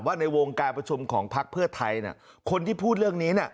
ในวงการประชุมของพักเพื่อไทยคนที่พูดเรื่องนี้เนี่ย